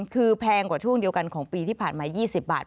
คือแพงกว่าช่วงเดียวกันของปีที่ผ่านมา๒๐บาท